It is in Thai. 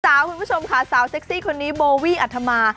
คุณผู้ชมค่ะสาวเซ็กซี่คนนี้โบวี่อัธมา